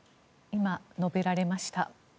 今、述べられました。